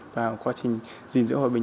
vào quá trình gìn giữ hòa bình